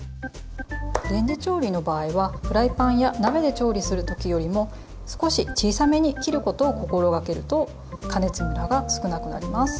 レンジ調理の場合はフライパンや鍋で調理する時よりも少し小さめに切ることを心掛けると加熱ムラが少なくなります。